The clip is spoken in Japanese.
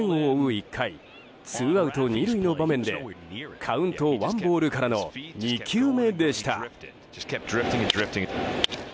１回ツーアウト２塁の場面でカウントワンボールからの２球目でした。